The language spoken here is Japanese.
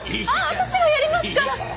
私がやりますから。